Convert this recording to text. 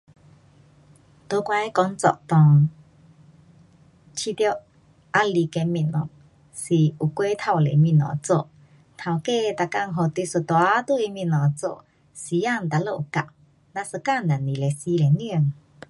在我的工作内觉得压力的东西，是有过头多东西做。taukei 每天给你一大堆东西做，时间哪里有够。咱一天只二十四点钟。